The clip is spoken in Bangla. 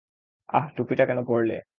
আহ, টুপিটা কেন পরলে?